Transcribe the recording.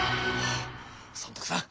尊徳さん